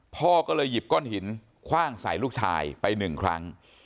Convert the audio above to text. พ่อก็เลยหยิบก้อนหินคว่างใส่ลูกชายไปหนึ่งครั้ง